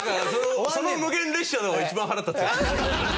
その「無限列車だよ」が一番腹立つ。